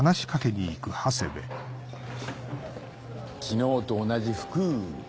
昨日と同じ服。